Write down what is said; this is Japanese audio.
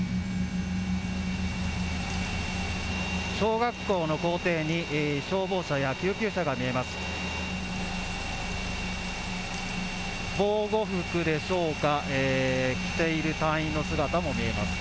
小学校の校庭に消防車や救急車が見えます。